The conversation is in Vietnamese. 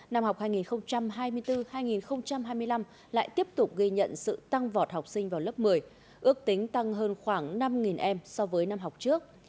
năm học hai nghìn hai mươi bốn hai nghìn hai mươi năm lại tiếp tục ghi nhận sự tăng vọt học sinh vào lớp một mươi ước tính tăng hơn khoảng năm em so với năm học trước